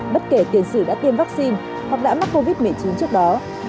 bất kể tiền sử đã tiêm vaccine hoặc đã mắc covid một mươi chín trước đó